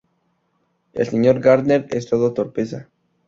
El señor Gardner es todo torpeza.